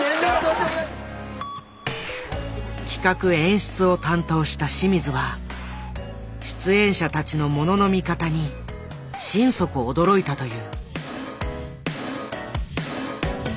企画・演出を担当した清水は出演者たちのものの見方に心底驚いたという。